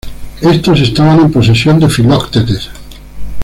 Estos estaban en posesión de Filoctetes.